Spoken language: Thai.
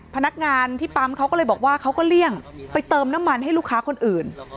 พนักงานที่ปั๊มเขาก็เลยบอกว่าเขาก็เลี่ยงไปเติมน้ำมันให้ลูกค้าคนอื่น